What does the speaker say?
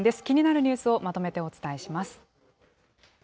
気になるニュースをまとめてお伝えします。